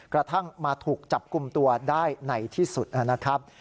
กระทั่งมาถูกจับกลุ่มตัวได้ในที่สุดนะครับ